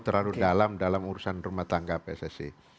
terlalu dalam dalam urusan rumah tangga pssi